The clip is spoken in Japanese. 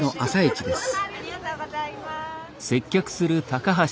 ありがとうございます。